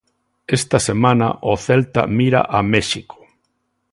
Esta semana o Celta mira a México.